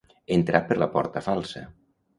Entrar per la porta falsa.